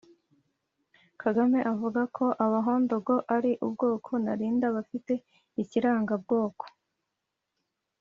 kagame avuga ko abahondogo ari ubwoko narinda bafite ikirangabwoko